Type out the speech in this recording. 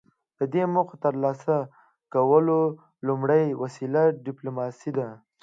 د دې موخو د ترلاسه کولو لومړۍ وسیله ډیپلوماسي ده